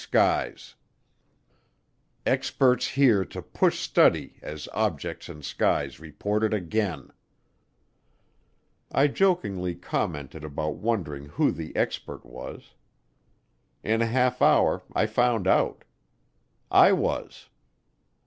SKIES EXPERT HERE TO PUSH STUDY AS OBJECTS IN SKIES REPORTED AGAIN I jokingly commented about wondering who the expert was. In a half hour I found out I was.